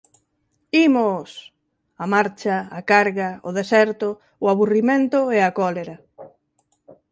Imos! A marcha, a carga, o deserto, o aburrimento e a cólera.